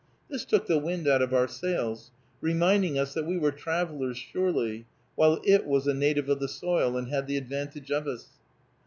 This took the wind out of our sails, reminding us that we were travelers surely, while it was a native of the soil, and had the advantage of us.